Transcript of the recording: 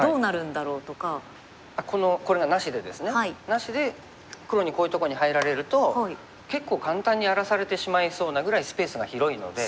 なしで黒にこういうとこに入られると結構簡単に荒らされてしまいそうなぐらいスペースが広いので。